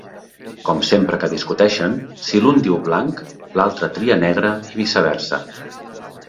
Com sempre que discuteixen, si l'un diu blanc, l'altra tria negre i viceversa.